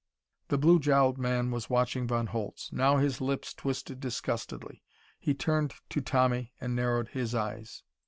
The blue jowled man was watching Von Holtz. Now his lips twisted disgustedly. He turned to Tommy and narrowed his eyes.